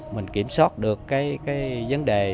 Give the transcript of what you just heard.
mình kiểm soát được vấn đề